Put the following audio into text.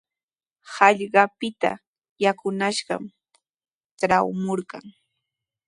Hallqapita yakunashqami traamurqan.